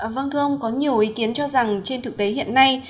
vâng thưa ông có nhiều ý kiến cho rằng trên thực tế hiện nay